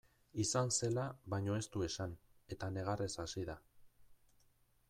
Izan zela baino ez du esan eta negarrez hasi da.